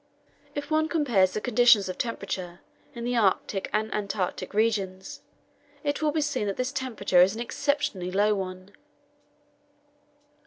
If one compares the conditions of temperature in the Arctic and Antarctic regions, it will be seen that this temperature is an exceptionally low one.